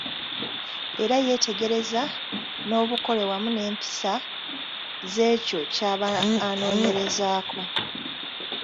Era yeetegereza n’obukole wamu n’empisa z’ekyo ky'aba anoonyerezaako.